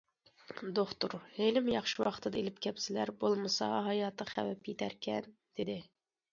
دوختۇر: ھېلىمۇ ياخشى ۋاقتىدا ئېلىپ كەپسىلەر، بولمىسا ھاياتىغا خەۋپ يېتەركەن، دېدى.